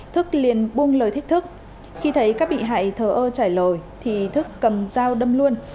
thức liền buông lời thích thức khi thấy các bị hại thờ ơ trả lời thức cầm dao đâm luôn